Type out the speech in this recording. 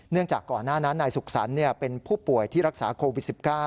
จากก่อนหน้านั้นนายสุขสรรค์เป็นผู้ป่วยที่รักษาโควิด๑๙